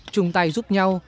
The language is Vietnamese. trung tay giúp nhau